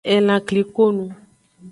Elan klikonu.